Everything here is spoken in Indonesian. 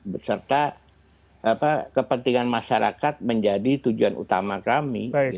beserta kepentingan masyarakat menjadi tujuan yang penting